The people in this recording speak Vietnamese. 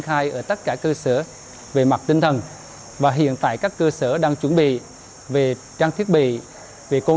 khai ở tất cả cơ sở về mặt tinh thần và hiện tại các cơ sở đang chuẩn bị về trang thiết bị về công